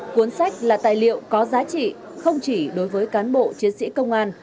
cuốn sách là tài liệu có giá trị không chỉ đối với cán bộ chiến sĩ công an